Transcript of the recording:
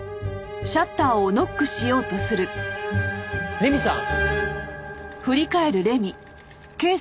麗美さん？